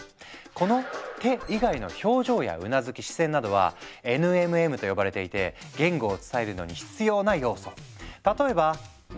この手以外の表情やうなずき視線などは「ＮＭＭ」と呼ばれていて言語を伝えるのに必要な要素。